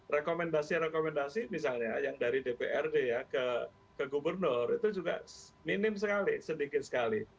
rekomendasi rekomendasi misalnya yang dari dprd ya ke gubernur itu juga minim sekali sedikit sekali